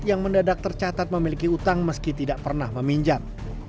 yang mendadak tercatat memiliki utang meski tidak pernah meminjam